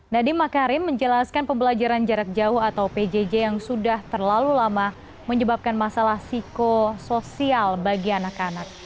nadiem makarim menjelaskan pembelajaran jarak jauh atau pjj yang sudah terlalu lama menyebabkan masalah psikososial bagi anak anak